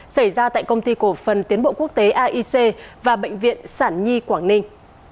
xảy ra tại công ty cổ phần tiến bộ quốc tế aic và bệnh viện sản nhi quảng ninh